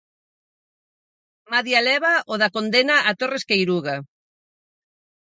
Madía leva o da condena a Torres Queiruga!